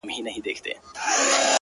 • مستول چي مي جامونه هغه نه یم ,